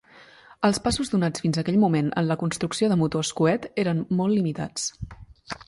Els passos donats fins aquell moment en la construcció de motors coet eren molt limitats.